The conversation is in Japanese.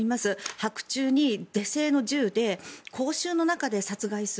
白昼に手製の銃で公衆の中で殺害する。